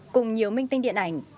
cùng nhiều minh tinh điện ảnh